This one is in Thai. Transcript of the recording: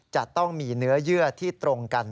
จะต้องมีเนื้อเยื่อที่ตรงกัน